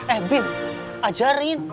eh bin ajarin